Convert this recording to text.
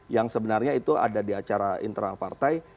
yang sebenarnya itu ada di acara internal partai